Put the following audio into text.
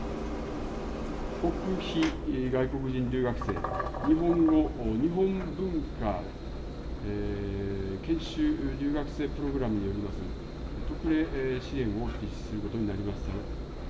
国費外国人留学生、日本語・日本文化研修留学生プログラムによります、特例支援を実施することになりました。